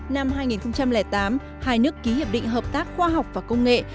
năm hai nghìn tám hai nước ký hiệp định hợp tác khoa học và công nghệ